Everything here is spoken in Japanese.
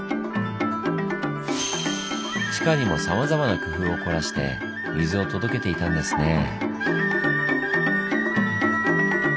地下にもさまざまな工夫を凝らして水を届けていたんですねぇ。